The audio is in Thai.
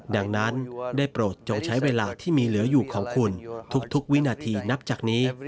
ดังนั้นได้โปรดจงใช้เวลาที่มีเหลืออยู่ของคุณทุกวินาทีนับจากนี้